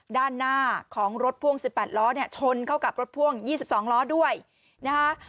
ด้านหน้าของรถพ่วง๑๘ล้อเนี่ยชนเข้ากับรถพ่วง๒๒ล้อด้วยนะคะ